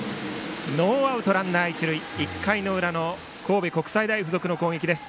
ノーアウトランナー、一塁１回の裏の神戸国際大付属の攻撃。